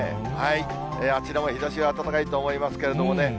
あちらも日ざしは暖かいと思いますけどね。